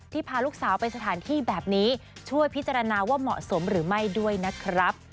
พาลูกสาวไปสถานที่แบบนี้ช่วยพิจารณาว่าเหมาะสมหรือไม่ด้วยนะครับ